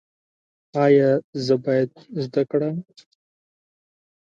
ایا زه باید زده کړم؟